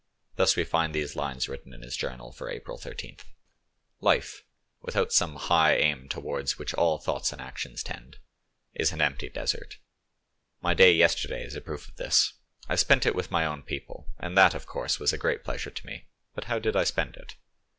Thus we find these lines written in his journal for April 13th: "Life, without some high aim towards which all thoughts and actions tend, is an empty desert: my day yesterday is a proof of this; I spent it with my own people, and that, of course, was a great pleasure to me; but how did I spend it?